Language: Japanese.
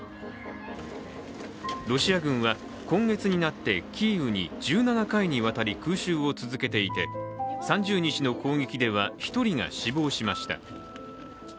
ロシア軍は今月になってキーウに１７回にわたり、空襲を続けていて３０日の攻撃では１人が死亡しました。